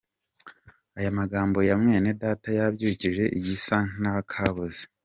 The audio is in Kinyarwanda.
Aya magambo ya Mwenedata yabyukije igisa n’akaboze.